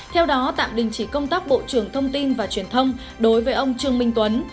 theo đó tạm đình chỉ công tác bộ trưởng thông tin và truyền thông đối với ông trương minh tuấn